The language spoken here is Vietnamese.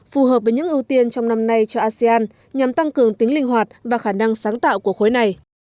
phù hợp với những ưu tiên trong năm nay cho asean nhằm tăng cường tính linh hoạt và khả năng sáng tạo của khối này